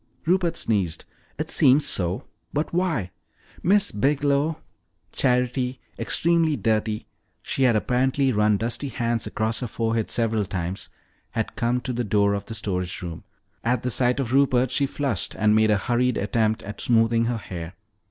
Rupert sneezed. "It seems so. But why ? Miss Biglow!" Charity, extremely dirty she had apparently run dusty hands across her forehead several times had come to the door of the storage room. At the sight of Rupert she flushed and made a hurried attempt at smoothing her hair.